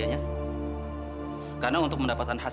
liat selalu berjuang yaitu jauh bahkan terus